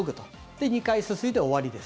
で、２回すすいで終わりです。